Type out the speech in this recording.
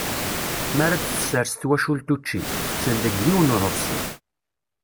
Mi ara d-tessers twacult učči, tetten deg yiwen n uḍebsi.